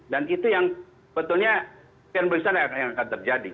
dan itu yang betulnya yang akan terjadi